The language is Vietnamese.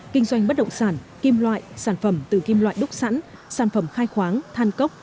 kinh doanh bất động sản kim loại sản phẩm từ kim loại đúc sẵn sản phẩm khai khoáng than cốc